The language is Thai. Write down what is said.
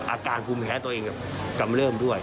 อาการภูมิแคะอย่างตัวเองกลับมาเริ่มด้วย